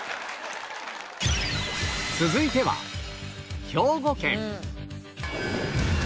続いては兵庫県